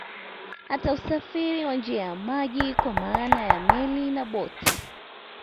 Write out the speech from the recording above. Hata usafiri wa njia ya maji kwa maana ya Meli na boti